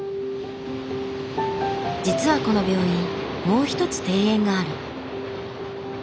実はこの病院もう一つ庭園がある。